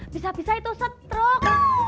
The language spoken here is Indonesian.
bisa bisa itu setruk